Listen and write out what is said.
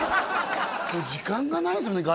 時間がないですもんね